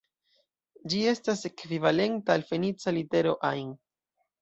Ĝi estas ekvivalenta al fenica litero "ain".